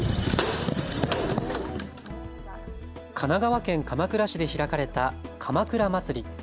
神奈川県鎌倉市で開かれた鎌倉まつり。